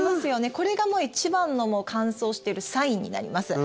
これがもう一番の乾燥しているサインになります。